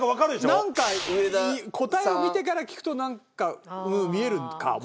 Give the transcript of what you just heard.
なんか答えを見てから聞くとなんか見えるかもね。